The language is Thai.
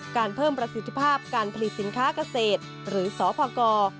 เพิ่มประสิทธิภาพการผลิตสินค้าเกษตรหรือสพก